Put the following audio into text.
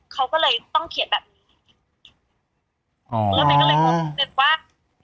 เขาก็เลยต้องเขียนแบบนี้อ๋อแล้วมันก็เลยพูดว่า